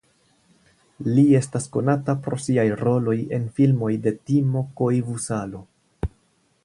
Li estas konata pro siaj roloj en filmoj de Timo Koivusalo.